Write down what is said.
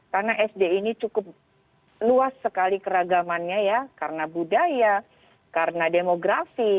karena sd ini cukup luas sekali keragamannya ya karena budaya karena demografi